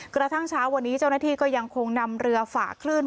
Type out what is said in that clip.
กระทั่งเช้าวันนี้เจ้าหน้าที่ก็ยังคงนำเรือฝ่าคลื่น